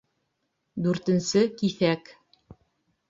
Дүртенсе киҫәк